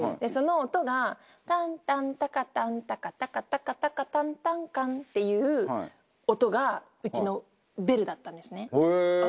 その音が「タンタンタカタンタカタカタカタカタンタンカン」っていう音がうちのベルだったんですね。